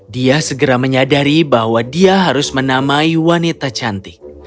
dia segera menyadari bahwa dia harus menamai wanita cantik